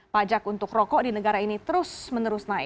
pajak untuk rokok di negara ini terus menerus naik